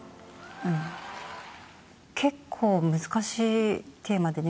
結構難しいテーマでね